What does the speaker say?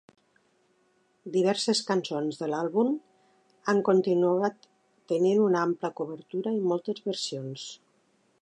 Diverses cançons de l'àlbum han continuat tenint una ampla cobertura i moltes versions.